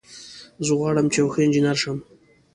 زه غواړم چې یو ښه انجینر شم